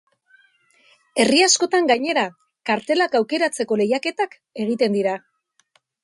Herri askotan, gainera, kartelak aukeratzeko lehiaketak egiten dira.